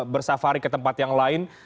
bersafari ke tempat yang lain